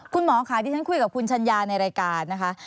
คุณหมอค่ะที่ฉันคุยกับคุณชัญญาในรายการนะคะ